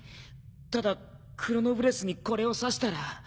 ただクロノブレスにこれを挿したら。